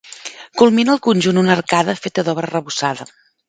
Culmina el conjunt una arcada feta d'obra arrebossada.